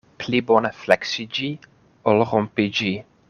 Pli bone fleksiĝi, ol rompiĝi.